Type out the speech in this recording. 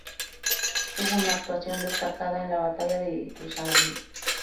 Tuvo una actuación destacada en la batalla de Ituzaingó.